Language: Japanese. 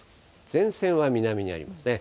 前線は南にありますね。